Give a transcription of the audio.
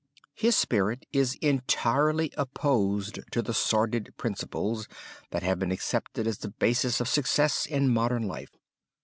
His spirit is entirely opposed to the sordid principles that have been accepted as the basis of success in modern life.